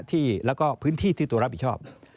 ที่แล้วก็พื้นที่ที่ตัวรับผิดชอบ